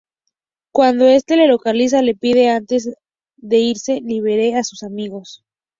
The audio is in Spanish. Cuando este le localiza, le pide que antes de irse libere a sus amigos.